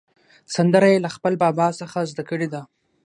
سندره یې له خپل بابا څخه زده کړې ده.